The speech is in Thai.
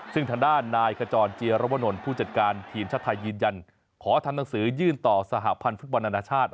ทางด้านนายแคร์จอร์ดเจียระวะหน่วนผู้จัดการยืนยันขอทำหนังสือยื่นต่อสหพันธุ์ฟุตบันนาน่าชาติ